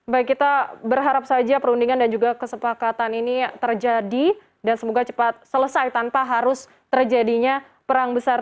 baik kita berharap saja perundingan dan juga kesepakatan ini terjadi dan semoga cepat selesai tanpa harus terjadinya perang besar